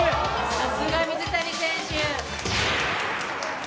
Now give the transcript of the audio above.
さすが水谷選手。